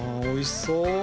おいしそう！